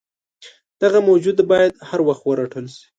دغه موجود باید هروخت ورټل شي.